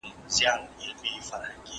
خپل کور ته ګلونه راوړئ.